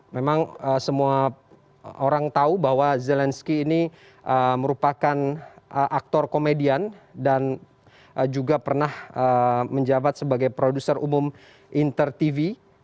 memang semua orang tahu bahwa zelensky ini merupakan aktor komedian dan juga pernah menjabat sebagai produser umum inter tv